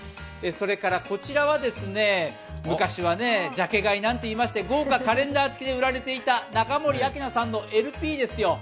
こちらは、昔はジャケ買いなんて言われまして豪華カレンダー付きで売られていた中森明菜さんのＬＰですよ。